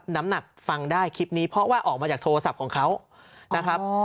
น้ำหนักฟังได้คลิปนี้เพราะว่าออกมาจากโทรศัพท์ของเขานะครับ